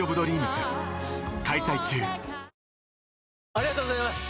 ありがとうございます！